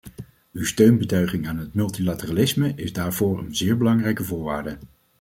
Uw steunbetuiging aan het multilateralisme is daarvoor een zeer belangrijke voorwaarde.